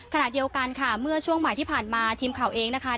ขณะเดียวกันค่ะเมื่อช่วงบ่ายที่ผ่านมาทีมข่าวเองนะคะ